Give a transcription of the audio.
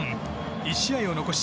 １試合を残し